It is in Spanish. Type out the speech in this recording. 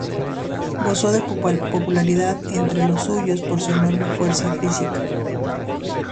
Gozó de popularidad entre los suyos por su enorme fuerza física.